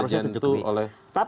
harusnya sudah tercukupi